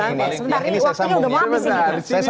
sebentar ini waktunya udah mau habis